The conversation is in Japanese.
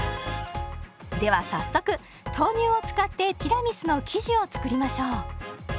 では早速豆乳を使ってティラミスの生地を作りましょう。